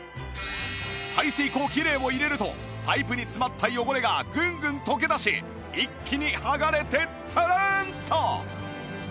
排水口キレイを入れるとパイプに詰まった汚れがグングン溶け出し一気に剥がれてツルンと！